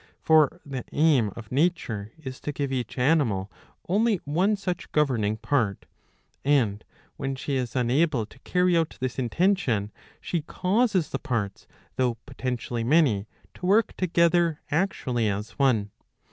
'''^ For the aim of nature is to give each animal only one such governing part ; and when she is unable to carry out this intention she causes the parts, though potentially many, to work together actually as one.''